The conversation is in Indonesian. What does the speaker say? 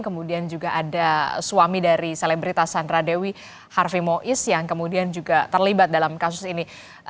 kemudian juga ada suami dari selebritas sandra dewi harvimois yang kemudian juga terlibat dalam kasus ini